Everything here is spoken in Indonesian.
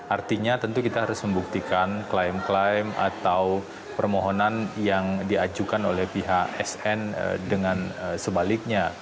artinya tentu kita harus membuktikan klaim klaim atau permohonan yang diajukan oleh pihak sn dengan sebaliknya